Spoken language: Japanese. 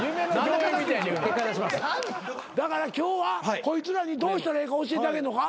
だから今日はこいつらにどうしたらええか教えてあげんのか？